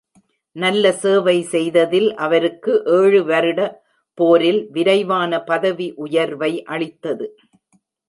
நல்ல சேவை செய்ததில் அவருக்கு ஏழு வருட போரில் விரைவான பதவி உயர்வை அளித்தது.